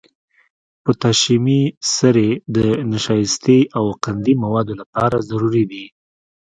پوتاشیمي سرې د نشایستې او قندي موادو لپاره ضروري دي.